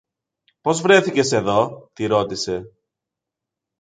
Πώς βρέθηκες εδώ; τη ρώτησε.